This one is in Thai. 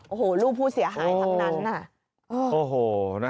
โอ้โฮรูปผู้เสียหายทั้งนั้น